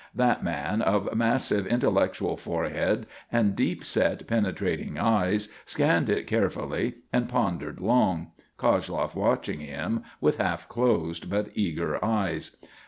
That man, of massive, intellectual forehead and deep set, penetrating eyes, scanned it carefully and pondered long, Koshloff watching him with half closed but eager eyes.